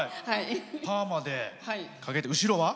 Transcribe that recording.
パーマをかけて後ろは？